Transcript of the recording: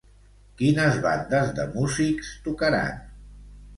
Quines bandes de músics tocaran?